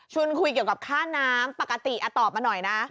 คุยเกี่ยวกับค่าน้ำปกติตอบมาหน่อยนะ